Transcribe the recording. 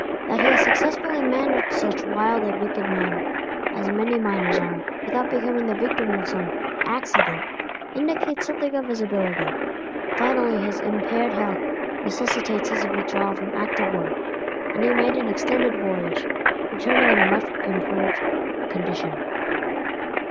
That he has successfully managed such wild and wicked men, as many miners are, without becoming the victim of some "accident," indicates something of his ability. Finally his impaired health necessitated his withdrawal from active work, and he made an extended voyage, returning in a much improved condition.